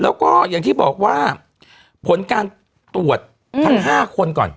แล้วก็อย่างที่บอกว่าผลการตรวจทั้ง๕คนก่อน